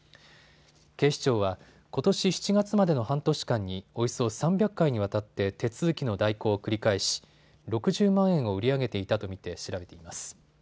警視庁はことし７月までの半年間におよそ３００回にわたって手続きの代行を繰り返し、６０万円を売り上げていたと見て調べています。